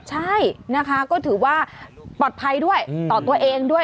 ใช่นะคะก็ถือว่าปลอดภัยด้วยต่อตัวเองด้วย